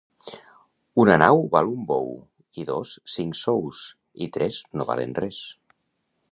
Una nau val un bou; i dos, cinc sous; i tres, no valen res.